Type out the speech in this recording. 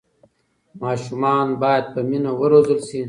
ماشومان باید په مینه وروزل شي.